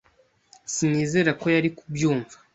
Sinizera ko yari kubyumva